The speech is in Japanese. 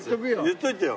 言っといてよ。